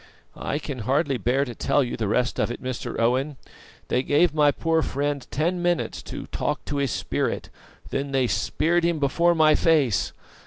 "I can hardly bear to tell the rest of it, Mr. Owen. They gave my poor friend ten minutes to 'talk to his Spirit,' then they speared him before my face.